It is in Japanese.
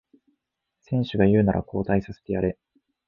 選手が言うなら交代させてやれ